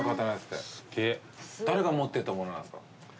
誰が持ってたものなんですか？